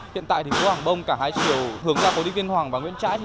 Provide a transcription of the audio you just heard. hiện tại phố hàng bông cả hai chiều hướng ra phố đi vinh hoàng và nguyễn trãi